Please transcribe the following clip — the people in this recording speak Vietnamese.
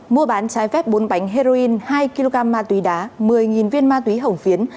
mua bán trái phép bốn bánh heroin hai kg ma túy đá một mươi viên ma túy hồng phiến